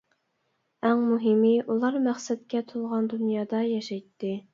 ئەڭ مۇھىمى ئۇلار مەقسەتكە تولغان دۇنيادا ياشايتتى.